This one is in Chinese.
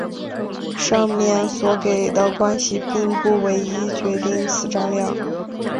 上面所给的关系并不唯一决定此张量。